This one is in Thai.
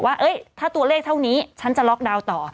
ว่าถ้าตัวเลขเท่านี้ฉันจะล็อกดาวน์ต่อ